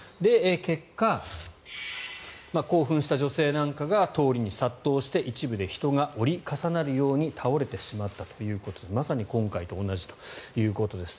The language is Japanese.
結果、興奮した女性なんかが通りに殺到して一部で人が折り重なるように倒れてしまったということでまさに今回と同じということです。